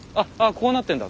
こうなってんだ。